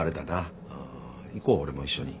ん行こう俺も一緒に。